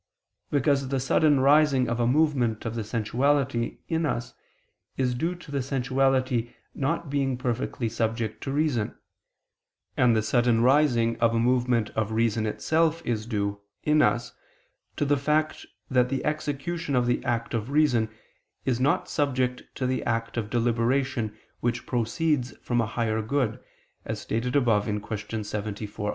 Because the sudden rising of a movement of the sensuality in us is due to the sensuality not being perfectly subject to reason: and the sudden rising of a movement of reason itself is due, in us, to the fact that the execution of the act of reason is not subject to the act of deliberation which proceeds from a higher good, as stated above (Q. 74, A.